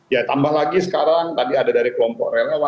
ya tambah lagi sekarang tadi ada dari kelompok relawan